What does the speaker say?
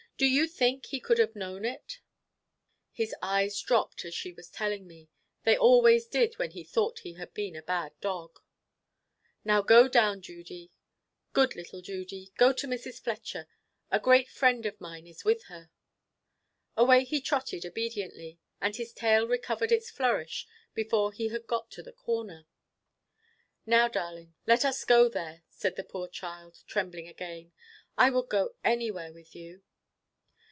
Do you think he could have known it?" His eyes dropped, as she was telling me. They always did, when he thought he had been a bad dog. "Now go down, Judy; good little Judy, go to Mrs. Fletcher. A great friend of mine is with her." Away he trotted obediently, and his tail recovered its flourish before he had got to the corner. "Now, darling, let us go there," said the poor child, trembling again. "I would go anywhere with you."